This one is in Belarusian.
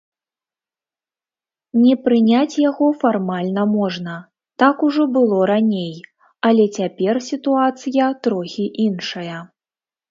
Не прыняць яго фармальна можна, так ужо было раней, але цяпер сітуацыя трохі іншая.